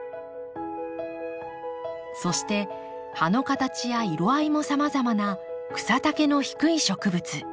そして葉の形や色合いもさまざまな草丈の低い植物。